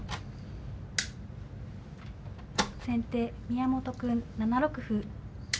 先手宮本くん７六歩。